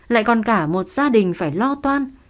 lại còn cả một gia đình phải lo toan